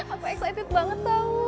aku excited banget tau